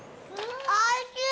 おいしい！